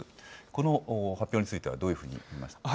この発表についてはどういうふうに見ましたか。